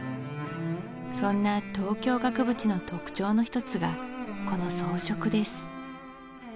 そんな東京額縁の特徴の一つがこの装飾です